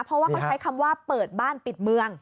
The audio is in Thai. เพราะว่าเขาใช้คำว่าเปิดบ้านปิดเมือง